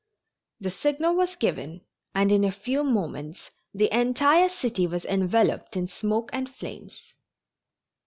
The signal was given and in a few moments the entire city was enveloped in smoke and flames.